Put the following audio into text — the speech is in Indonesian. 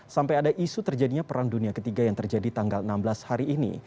sampai ada isu terjadinya perang dunia ketiga yang terjadi tanggal enam belas hari ini